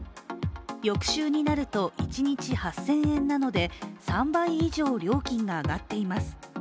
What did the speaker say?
翌週になると１日８０００円なので３倍以上料金が上がっています。